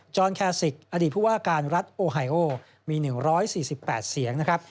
อนแคสิกอดีตผู้ว่าการรัฐโอไฮโอมี๑๔๘เสียงนะครับ